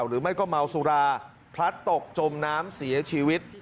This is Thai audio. หรือไม่ก็เมาสุราพลัดตกจมน้ำเสียชีวิต